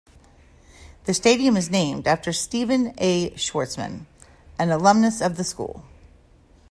The stadium is named after Stephen A. Schwarzman, an alumnus of the school.